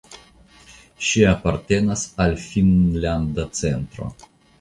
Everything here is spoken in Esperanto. Ŝi apartenas al Finnlanda Centro.